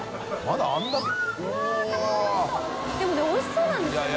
任發おいしそうなんですよね。